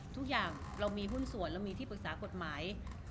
ทุกอย่างเรามีหุ้นส่วนเรามีที่ปรึกษากฎหมาย